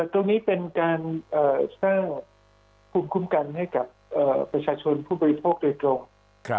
ตรงนี้เป็นการสร้างภูมิคุ้มกันให้กับประชาชนผู้บริโภคโดยตรง